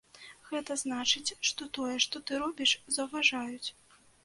Гэта значыць, што тое, што ты робіш, заўважаюць.